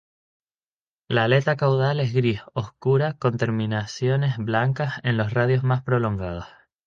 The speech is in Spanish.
La aleta caudal es gris oscura con terminaciones blancas en los radios más prolongados.